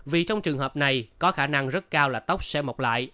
vì trong trường hợp này có khả năng rất cao là tốc sẽ mọc lại